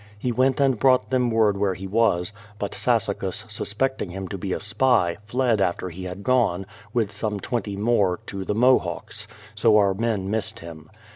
He went and brought them word where he was; but Sassacus suspecting him to be a spy, fled, after he had gone, with some twenty more, to the Mohawks, so our men missed him.